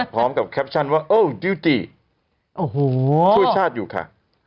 พร้อมกับแคปชั่นว่าโอ้ยดิวตี้ช่วยชาติอยู่ค่ะ